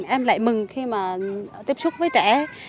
em lại mừng khi mà tiếp xúc với trẻ